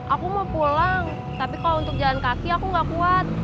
aku mau pulang tapi kalau untuk jalan kaki aku gak kuat